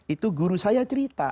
itu guru saya cerita